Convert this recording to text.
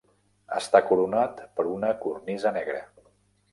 Està coronat per una cornisa negra.